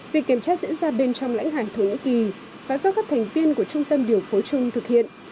việc kiểm tra diễn ra bên trong lãnh hải thổ nhĩ kỳ và do các thành viên của trung tâm điều phối chung thực hiện